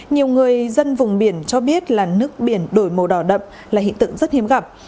nhiều người dân vùng biển cho biết là nước biển đổi màu đỏ đậm là hiện tượng rất hiếm gặp